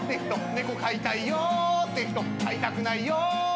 「猫飼いたいよって人飼いたくないよって人」